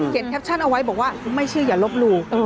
แคปชั่นเอาไว้บอกว่าไม่เชื่ออย่าลบหลู่